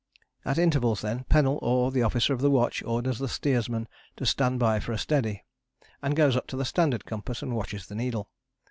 At intervals, then, Pennell or the officer of the watch orders the steersman to "Stand by for a steady," and goes up to the standard compass, and watches the needle.